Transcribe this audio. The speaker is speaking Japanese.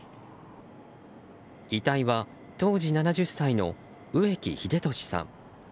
遺体は当時７０歳の植木秀俊さん。